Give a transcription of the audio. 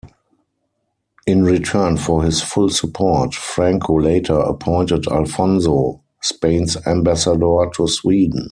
In return for his full support, Franco later appointed Alfonso Spain's ambassador to Sweden.